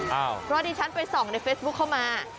เมื่อกี้ฉันไปส่องในเฟซบุ๊คเขามา